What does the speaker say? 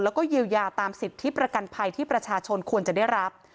แล้วก็เยียวยาตามสิทธิประกันภัยที่ประชาชนควรจะได้รับ